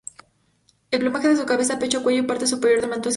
El plumaje de su cabeza, pecho, cuello y parte superior del manto es gris.